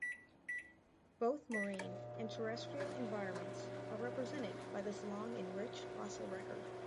Both marine and terrestrial environments are represented by this long and rich fossil record.